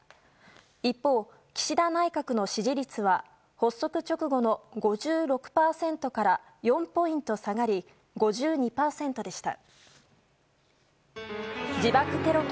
一方、岸田内閣の支持率は発足直後の５６％から４ポイント下がり５２％でした。